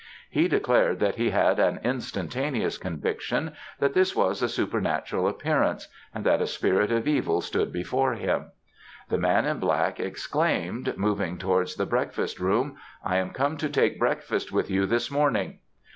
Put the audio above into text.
He declared that he had an instantaneous conviction that this was a supernatural appearance, and that a spirit of evil stood before him. The man in black exclaimed, moving towards the breakfast room, "I am come to take breakfast with you this morning."